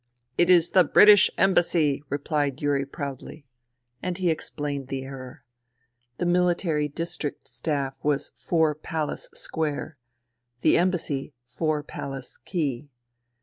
"It is the British Embassy," repHed Yuri proudly. And he explained the error. The Military District Staff was 4 Palace Square ; the Embassy 4 Palace Quay.